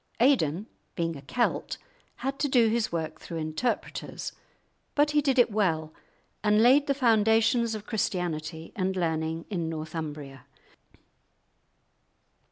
Aidan being a Celt, had to do his work through interpreters, but he did it well, and laid the foundations of Christianity and learning in Northumbria.